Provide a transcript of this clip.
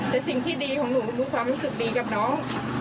แต่สิ่งที่ดีของหนูมันมีความรู้สึกดีกับน้อง